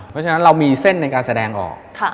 เพราะฉะนั้นเรามีเส้นในการแสดงออก